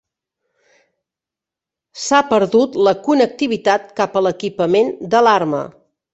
S'ha perdut la connectivitat cap a l'equipament d'alarma.